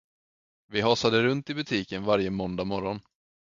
Vi hasade runt i butiken varje måndag morgon.